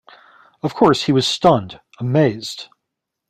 Of course, he was stunned, amazed.